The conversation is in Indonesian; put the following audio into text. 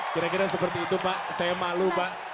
kira kira seperti itu pak saya malu pak